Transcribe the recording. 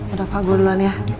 udah fah gue duluan ya